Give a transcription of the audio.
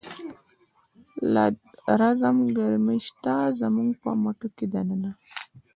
لا د رزم گرمی شته ده، زمونږ په مټو کی د ننه